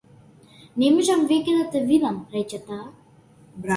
Не можам веќе да те видам, рече таа.